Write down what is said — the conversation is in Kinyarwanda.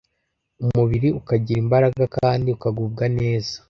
umubiri ukagira imbaraga kandi ukagubwa neza.